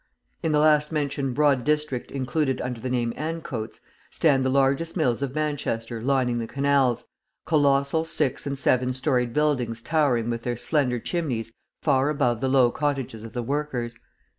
In the last mentioned broad district included under the name Ancoats, stand the largest mills of Manchester lining the canals, colossal six and seven storied buildings towering with their slender chimneys far above the low cottages of the workers.